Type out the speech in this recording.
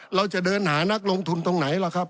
เราจะเดินหานักลงทุนตรงไหนล่ะครับ